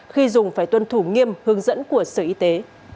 khi dùng phải tuân thủ nghiêm hướng dẫn của sở y tế